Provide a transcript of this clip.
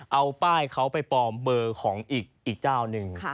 เอาป้ายเขาไปปลอมเบอร์ของอีกเจ้าหนึ่ง